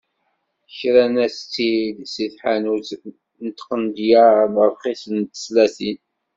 Kran-as-tt-id seg tḥanut n tqendyar rxisen n teslatin.